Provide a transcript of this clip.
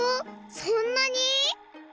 そんなに！？